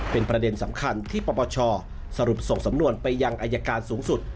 เป็นประเด็นสำคัญที่ปปชสรุปส่งสำนวนไปยังอายการสูงสุด